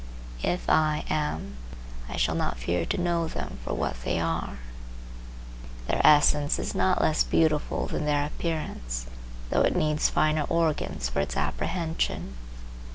If I am, I shall not fear to know them for what they are. Their essence is not less beautiful than their appearance, though it needs finer organs for its apprehension.